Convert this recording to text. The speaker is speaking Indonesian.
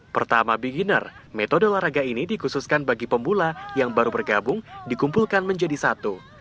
pertama beginner metode olahraga ini dikhususkan bagi pemula yang baru bergabung dikumpulkan menjadi satu